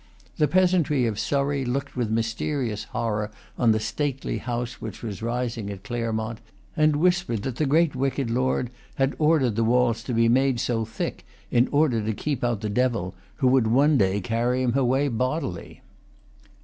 The peasantry of Surrey looked with mysterious horror on the stately house which was rising at Claremont, and whispered that the great wicked lord had ordered the walls to be made so thick in order to keep out the devil, who would one day carry him away bodily.